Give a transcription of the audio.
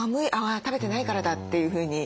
あ食べてないからだ」というふうに。